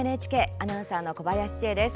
アナウンサーの小林千恵です。